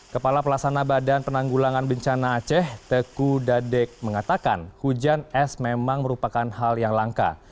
kepala pelasana badan penanggulangan bencana aceh teku dadek mengatakan hujan es memang merupakan hal yang langka